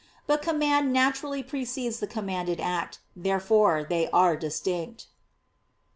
But command naturally precedes the commanded act. Therefore they are distinct.